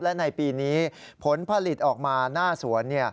และในปีนี้ผลผลิตออกมาหน้าสวน